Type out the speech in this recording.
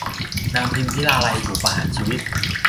นางพิมพิลาไลยถูกประหารชีวิต